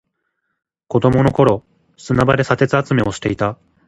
子供の頃、砂場で砂鉄集めをしていた。